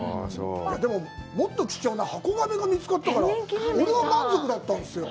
もっと貴重なハコガメが見つかったから、俺は満足だったんですよ。